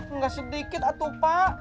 enggak sedikit atuh pak